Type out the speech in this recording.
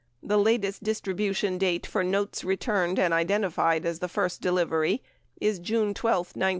The latest distribution date for notes returned and identified as the first delivery is June 12, 1969.